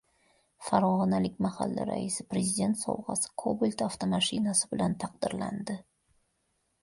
Farg‘onalik mahalla raisi Prezident sovg‘asi – “Kobalt” avtomashinasi bilan taqdirlandi